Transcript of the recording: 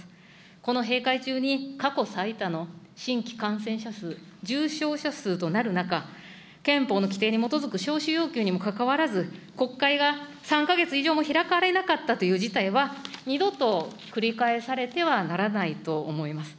この閉会中に過去最多の新規感染者数、重症者数となる中、憲法の規定に基づく召集要求にもかかわらず、国会が３か月以上も開かれなかったという事態は、二度と繰り返されてはならないと思います。